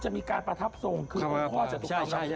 จะมีการประทับทรงคือองค์พ่อเจตุคามครับครับใช่